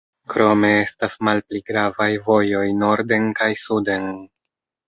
Krome estas malpli gravaj vojoj norden kaj suden.